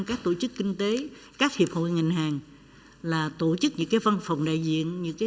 các tổ chức kinh tế các hiệp hội ngành hàng là tổ chức những cái văn phòng đại diện